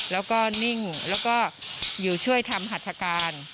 แล้วก็นิ่งแล้วก็อยู่ช่วยทำหัตถการ